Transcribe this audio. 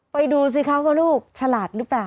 ดูสิคะว่าลูกฉลาดหรือเปล่า